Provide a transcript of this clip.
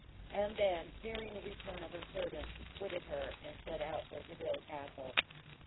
And then, fearing the return of her servants, he quitted her, and set out for Delvile Castle.